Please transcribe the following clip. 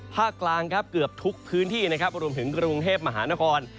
ภาคกลางเกือบทุกพื้นที่รวมถึงกรุงเทพมหานคร